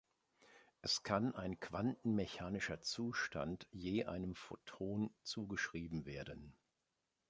Es kann ein quantenmechanischer Zustand je einem Photon zugeschrieben werden.